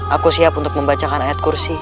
aku siap untuk membacakan ayat kursi